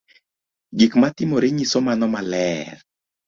Gik ma notimore nyiso mano maler